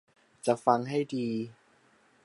จะฟังให้ดี